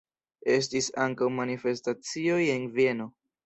Estis ankaŭ manifestacioj en Vieno.